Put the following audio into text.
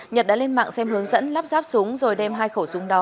nhật đã lên mạng xem hướng dẫn lắp ráp súng rồi đem hai khẩu súng đó